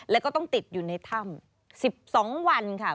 แล้วก็ต้องติดอยู่ในถ้ำ๑๒วันค่ะ